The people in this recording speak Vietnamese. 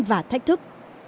và thách thức